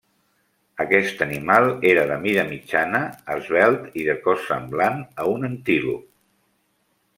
Aquest animal era de mida mitjana, esvelt i de cos semblant a un antílop.